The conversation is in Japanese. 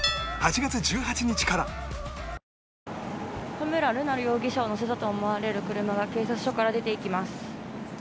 田村瑠奈容疑者を乗せたと思われる車が警察署から出ていきます。